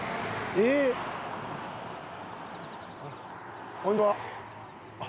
えっ？